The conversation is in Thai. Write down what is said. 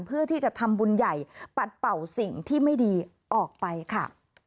เพื่อที่จะทำบุญใหญ่ปัดเป่าสิ่งที่ไม่ดีออกไปค่ะ